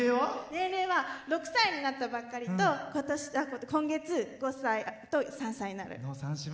年齢は６歳になったばっかりと今月５歳と３歳になる。